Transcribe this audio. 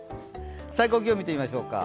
最高気温、見ていきましょうか。